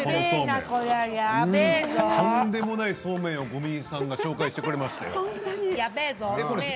とんでもないそうめんを五味さんが紹介してくれました。